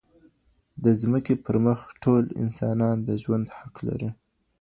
د ځمکي پر مخ ټول انسانان د ژوند حق لري.